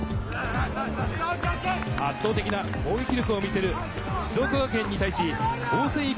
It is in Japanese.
圧倒的な攻撃力を見せる静岡学園に対し、防戦。